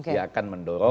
dia akan mendorong